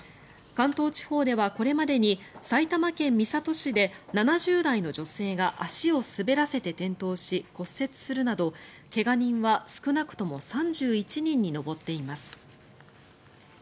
関東地方ではこれまでに埼玉県三郷市で７０代の女性が足を滑らせて転倒し骨折するなど怪我人は少なくとも３１人に上っています。